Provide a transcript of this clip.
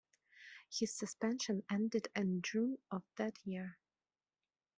His suspension ended in June of that year.